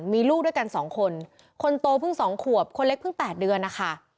มีลูกด้วยกัน๒คนคนโตเพิ่ง๒ขวบคนเล็กเพิ่ง๘เดือนนะคะ